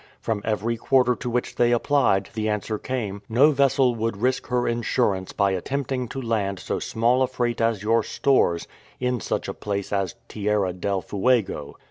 From every quarter to which they applied the answer came, '* No vessel would risk her insurance by attempting to land so small a freight as your stores in such a place as Tierra del Fuego."